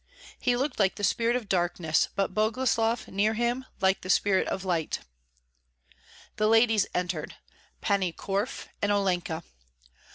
He looked like the spirit of darkness, but Boguslav near him like the spirit of light. The ladies entered, Pani Korf and Olenka.